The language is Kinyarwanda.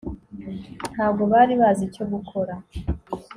ntabwo bari bazi icyo gukora